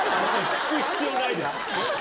聞く必要ないです。